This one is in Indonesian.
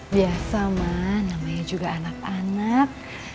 biasa mah namanya juga anak anak